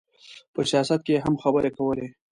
په سیاست کې یې هم خبرې کولې.